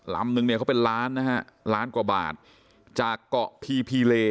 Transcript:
ลำนึงเนี่ยเขาเป็นล้านนะฮะล้านกว่าบาทจากเกาะพีพีเล